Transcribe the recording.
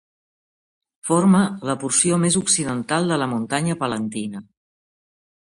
Forma la porció més occidental de la Muntanya Palentina.